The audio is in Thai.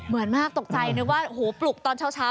เหมือนมากตกใจนึกว่าโอ้โหปลุกตอนเช้า